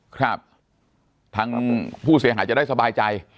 ครับทางผู้เสียหายจะได้สบายใจ